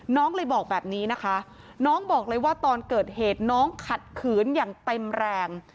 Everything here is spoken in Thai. น้องเลยบอกแบบนี้นะคะน้องบอกเลยว่าตอนเกิดเหตุน้องขัดขืนอย่างเต็มแรง